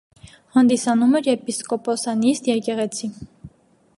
Հանդիսանում էր եպիսկոպոսանիստ եկեղեցի։